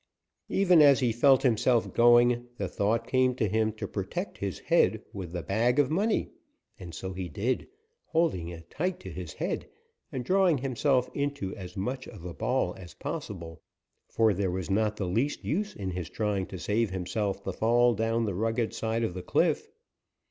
Even as he felt himself going, the thought came to him to protect his head with the bag of money, and so he did, holding it tight to his head and drawing himself into as much of a ball as possible, for there was not the least use in his trying to save himself the fall down the rugged side of the cliff.